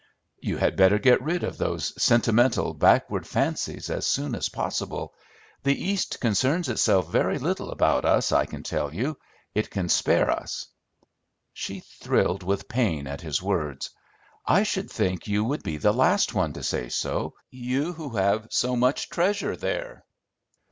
"You had better get rid of those sentimental, backward fancies as soon as possible. The East concerns itself very little about us, I can tell you! It can spare us." She thrilled with pain at his words. "I should think you would be the last one to say so, you, who have so much treasure there."